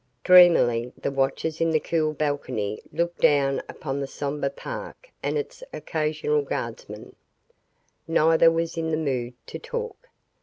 Dreamily the watchers in the cool balcony looked down upon the somber park and its occasional guardsman. Neither was in the mood to talk.